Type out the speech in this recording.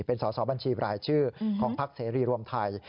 เป็นสอสอบัญชีบรายชื่อของพักเสรีรวมไทย